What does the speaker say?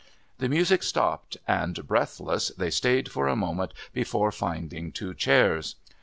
The music stopped and, breathless, they stayed for a moment before finding two chairs.